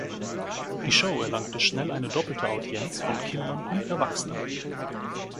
Die Show erlangte schnell eine doppelte Audienz von Kindern und Erwachsenen.